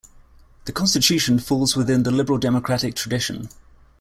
The constitution falls within the liberal democratic tradition.